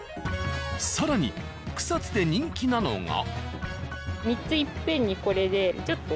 更に草津で人気なのが。